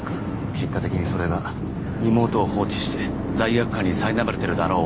結果的にそれが妹を放置して罪悪感にさいなまれてるだろう